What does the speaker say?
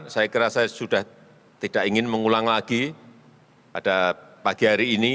saya kira saya sudah tidak ingin mengulang lagi pada pagi hari ini